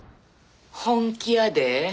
本気やで。